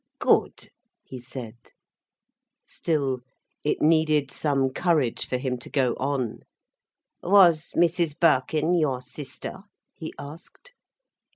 "Good," he said. Still it needed some courage for him to go on. "Was Mrs Birkin your sister?" he asked.